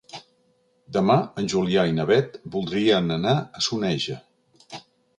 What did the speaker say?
Demà en Julià i na Beth voldrien anar a Soneja.